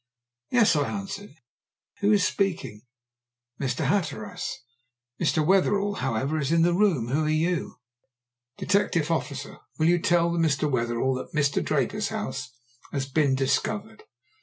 "Yes," I answered. "Who is speaking?" "Mr. Hatteras. Mr. Wetherell, however, is in the room. Who are you?" "Detective officer. Will you tell Mr. Wetherell that Mr. Draper's house has been discovered?"